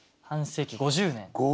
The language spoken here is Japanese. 半世紀５０年。